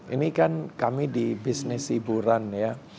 ini kan kami di bisnis hiburan ya